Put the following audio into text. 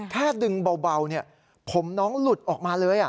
ดึงเบาผมน้องหลุดออกมาเลย